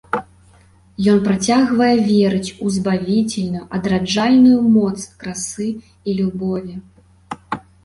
Ён працягвае верыць у збавіцельную адраджальную моц красы і любові.